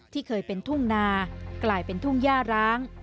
ที่เคยเป็นทุ่งนากลายเป็นทุ่งย่าร้าง